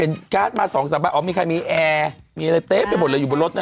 เห็นการ์ดมาสองสามบ้านอ๋อมีใครมีแอร์มีอะไรเต๊ะไปหมดแล้วอยู่บนรถน่ะ